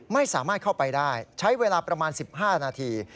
ไม่สามารถเข้าไปได้ใช้เวลาประมาณ๑๕นาที